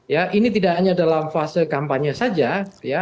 ya ini tidak hanya dalam fase kampanye saja ya